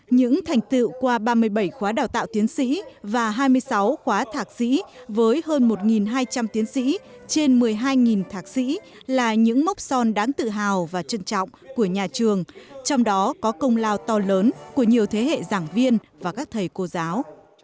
những thành tựu qua ba mươi bảy khóa đào tạo tiến sĩ và hai mươi sáu khóa thạc sĩ với hơn một hai trăm linh tiến sĩ trên một mươi hai thạc sĩ là những mốc son đáng tự hào và trân trọng của nhà trường trong đó có công lao to lớn của nhiều thế hệ giảng viên và các thầy cô giáo